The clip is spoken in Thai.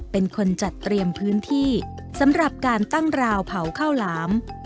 เป็นคนจัดเตรียมพื้นที่สำหรับการตั้งราวเผาข้าวหลาม